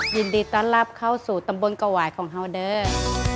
ยินดีต้อนรับเข้าสู่ตำบลกวายของฮาวเดอร์